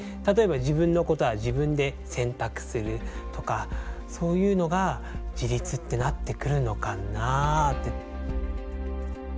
例えば自分のことは自分で選択するとかそういうのが自立ってなってくるのかなって。